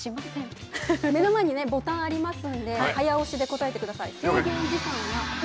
目の前にねボタンありますんで早押しで答えてください。